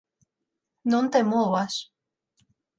Non te movas.